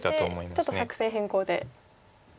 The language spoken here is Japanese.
考えてちょっと作戦変更で。